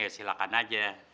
ya silakan aja